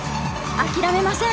諦めません。